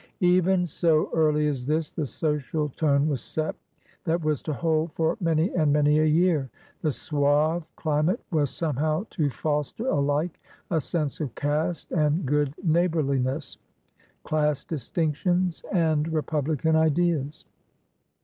Even so early as this, the social tone was set that was to hold for many and many a year. The suave cli mate was somehow to foster alike a sense of caste and good neighborliness — class distinctions and republican ideas.